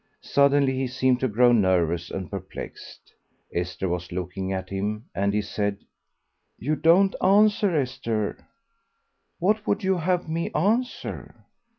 Suddenly he seemed to grow nervous and perplexed. Esther was looking at him, and he said, "You don't answer, Esther?" "What would you have me answer?"